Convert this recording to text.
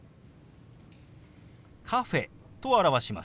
「カフェ」と表します。